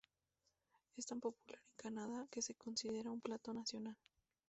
Es tan popular en Canadá que se considera un plato nacional.